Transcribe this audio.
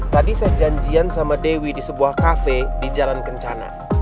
tadi saya janjian sama dewi di sebuah kafe di jalan kencana